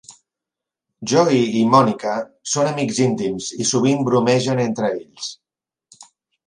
Joey i Monica són amics íntims i sovint bromegen entre ells.